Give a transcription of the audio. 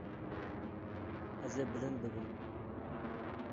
Ez ê bilind bibim.